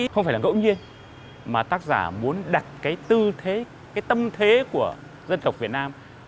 không phải là ngẫu nhiên mà tác giả muốn đặt cái tư thế cái tâm thế của dân tộc việt nam